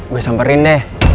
gue samperin deh